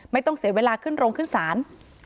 ไม่ต้องเสียเวลาขึ้นโรงขึ้นศาล